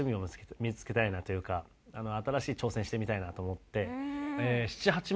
新しい挑戦してみたいなと思って。